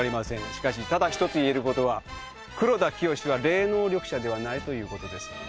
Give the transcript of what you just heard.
しかしただ１つ言えることは黒田清は霊能力者ではないということです。